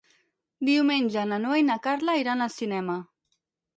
Diumenge na Noa i na Carla iran al cinema.